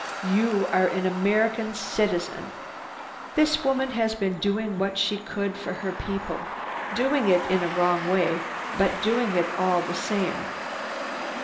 "You are an American citizen. This woman has been doing what she could for her people—doing it in a wrong way, but doing it all the same.